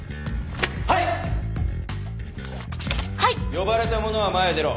呼ばれた者は前へ出ろ。